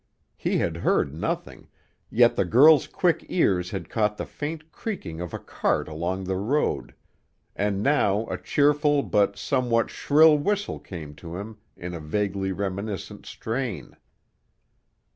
He had heard nothing, yet the girl's quick ears had caught the faint creaking of a cart along the road, and now a cheerful but somewhat shrill whistle came to him in a vaguely reminiscent strain.